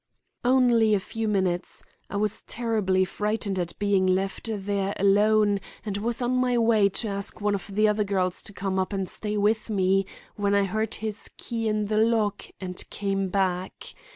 "Only a few minutes. I was terribly frightened at being left there alone and was on my way to ask one of the other girls to come up and stay with me, when I heard his key in the lock and came back.